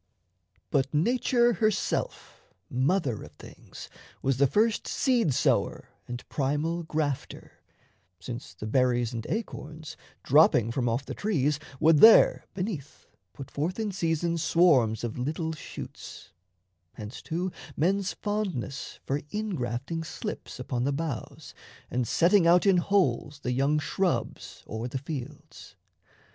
But nature herself, Mother of things, was the first seed sower And primal grafter; since the berries and acorns, Dropping from off the trees, would there beneath Put forth in season swarms of little shoots; Hence too men's fondness for ingrafting slips Upon the boughs and setting out in holes The young shrubs o'er the fields.